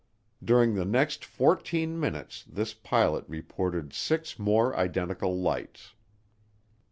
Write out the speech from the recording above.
During the next fourteen minutes this pilot reported six more identical lights.